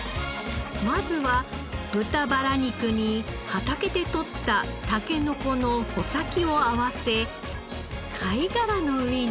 まずは豚バラ肉に畑でとったタケノコの穂先を合わせ貝殻の上に。